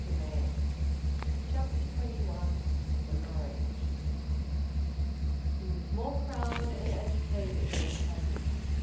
VOLUME TWO, CHAPTER TWENTY ONE. THE MARRIAGE. He was more proud and agitated than happy.